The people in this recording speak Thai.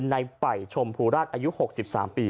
ในไปชมภูราชอายุหกสิบสามปี